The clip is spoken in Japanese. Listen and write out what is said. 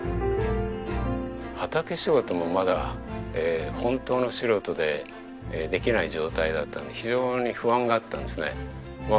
畑仕事もまだ本当の素人でできない状態だったので非常に不安があったんですね。